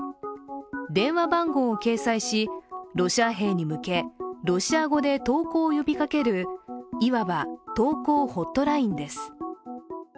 電話番号を掲載し、ロシア兵に向けロシア語で投降を呼びかけるいわば投降ホットラインです。